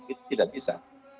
itu tidak bisa